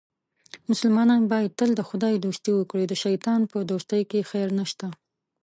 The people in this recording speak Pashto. مسلمان باید تل د خدای دوستي وکړي، د شیطان په دوستۍ کې خیر نشته.